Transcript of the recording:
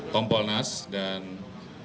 tom polnas dan tom nasiam